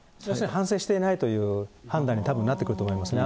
反省していないという判断にたぶんなってくると思いますね。